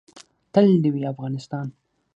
تل دې وي افغانستان؟